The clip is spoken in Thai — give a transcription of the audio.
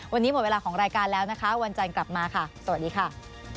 วันนี้หมดเวลาของรายการแล้วนะคะวันจันทร์กลับมาค่ะสวัสดีค่ะ